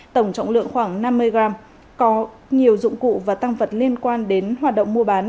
tổng trọng lượng khoảng năm mươi gram có nhiều dụng cụ và tăng vật liên quan đến hoạt động mua bán